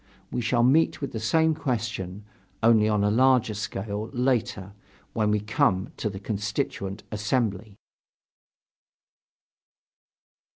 We shall meet with the same question, only on a larger scale, later, when we come to the Constituent Assembly.